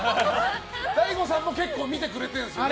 大悟さんも結構見てくれてるんですよね。